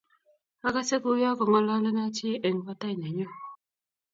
agase kouyo kongoololeno chii eng patai nenyu